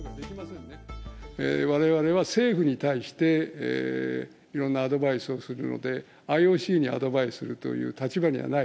われわれは政府に対していろんなアドバイスをするので、ＩＯＣにアドバイスするという立場にはない。